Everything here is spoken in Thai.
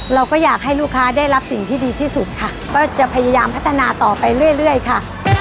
เราก็อยากให้ลูกค้าได้รับสิ่งที่ดีที่สุดค่ะก็จะพยายามพัฒนาต่อไปเรื่อยค่ะ